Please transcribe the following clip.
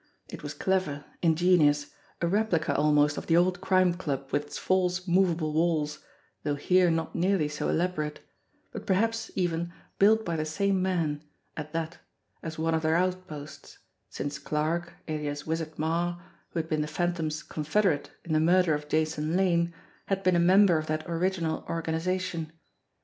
It was clever, ingenious, a replica almost of the old Crime Club with its false, movable walls, though here not nearly so elaborate but perhaps even built by the same men, at that, as one of their outposts, since Clarke, alias Wizard Marre, who had been the Phantom's confederate in the murder of Jason Lane, had been a member of that original organisation.